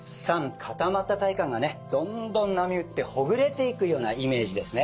固まった体幹がねどんどん波打ってほぐれていくようなイメージですね。